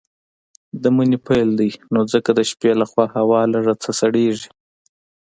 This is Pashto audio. د مني پيل دی نو ځکه د شپې لخوا هوا لږ څه سړييږي.